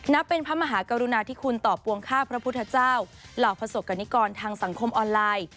เป็นพระมหากรุณาธิคุณต่อปวงข้าพระพุทธเจ้าเหล่าประสบกรณิกรทางสังคมออนไลน์